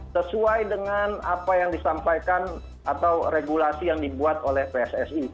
sesuai dengan apa yang disampaikan atau regulasi yang dibuat oleh pssi